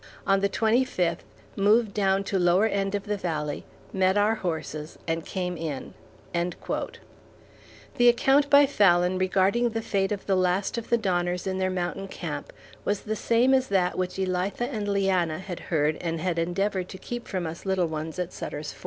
On the twenty fifth moved down to lower end of the valley, met our horses, and came in. The account by Fallon regarding the fate of the last of the Donners in their mountain camp was the same as that which Elitha and Leanna had heard and had endeavored to keep from us little ones at Sutter's Fort.